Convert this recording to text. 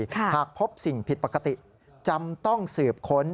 หากพบสิ่งผิดปกติจำต้องสืบค้น